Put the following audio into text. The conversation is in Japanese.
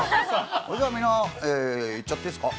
それじゃあみんな、いっちゃっていいっすか？